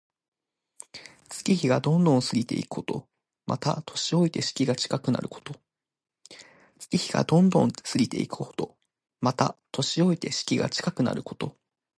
月日がどんどん過ぎていくこと。また、年老いて死期が近くなること。